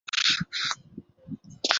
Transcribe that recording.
属聊城专区。